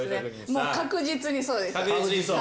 もう確実にそうです。